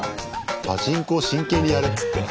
パチンコを真剣にやれっつって。